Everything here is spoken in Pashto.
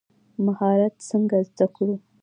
مهارت څنګه زده کړو؟